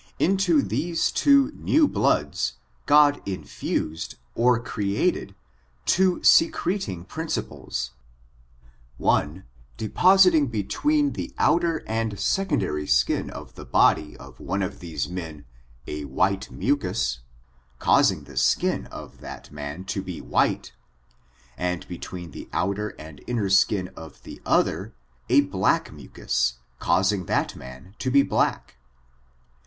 Into these two new bloods, God infused, or created, two secretifig principles ; 07ie depositing between the outer and secondary skin of the body of one of these men a white mucus, causing the skin of that man to be white, and between the outer and inner skin of the other a black mucus, causing that man to be black.